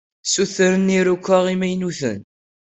Ssutren iruka imaynuten.